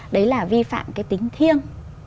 đấy là vi phạm cái tính thiêng